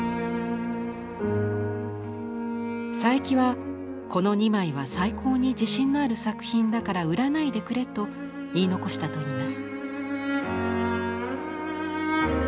佐伯はこの２枚は最高に自信のある作品だから売らないでくれと言い残したといいます。